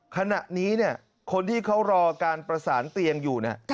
ขณะนี้เขารอการประสานเตียงอยู่